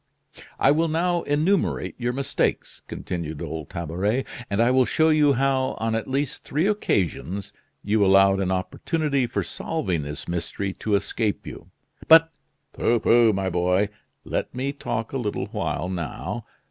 "I will now enumerate your mistakes," continued old Tabaret, "and I will show you how, on at least three occasions, you allowed an opportunity for solving this mystery to escape you." "But " "Pooh! pooh! my boy, let me talk a little while now.